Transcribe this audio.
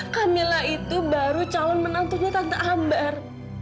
kamila itu baru calon menantunya tante ambar